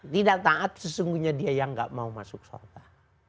tidak taat sesungguhnya dia yang gak mau masuk sorga